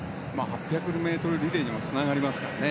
８００ｍリレーにもつながりますからね。